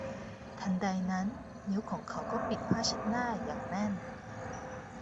ทันใดนั้นนิ้วของเขาก็ปิดผ้าเช็ดหน้าอย่างแน่น